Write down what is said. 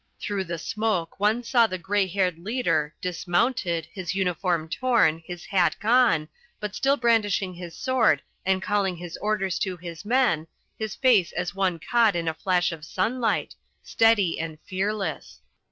Through the smoke one saw the grey haired leader dismounted, his uniform torn, his hat gone, but still brandishing his sword and calling his orders to his men, his face as one caught in a flash of sunlight, steady and fearless.